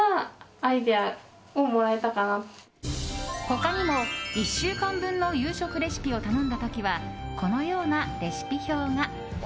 他にも、１週間分の夕食レシピを頼んだ時はこのようなレシピ表が。